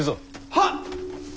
はっ！